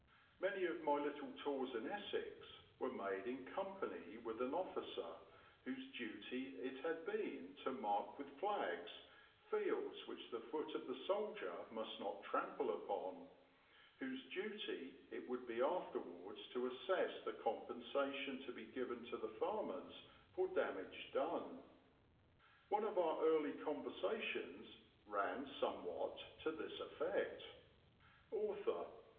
Many of my little tours in Essex were made in company with an officer whose duty it had been to mark with flags fields which the foot of the soldier must not trample upon, whose duty it would be afterwards to assess the compensation to be given to farmers for damage done. One of our early conversations ran somewhat to this effect: _Author.